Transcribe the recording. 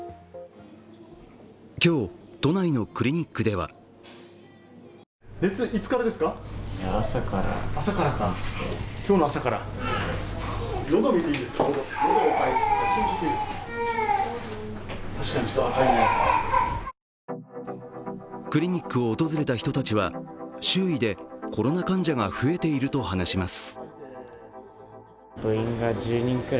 今日、都内のクリニックではクリニックを訪れた人たちは周囲でコロナ患者が増えていると話します。